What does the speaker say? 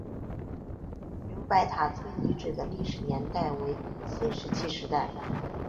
刘白塔村遗址的历史年代为新石器时代。